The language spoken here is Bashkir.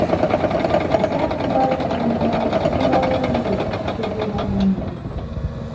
«Әсә ҡулдары тигән нәмә ошо булалыр инде», - тип уйланым мин.